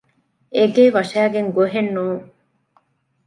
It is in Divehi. އޭގެ ވަށައިގެން ގޮހެއް ނޫން